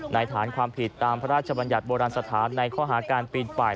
ฐานความผิดตามพระราชบัญญัติโบราณสถานในข้อหาการปีนป่าย